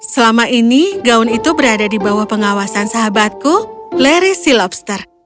selama ini gaun itu berada di bawah pengawasan sahabatku larry si lobster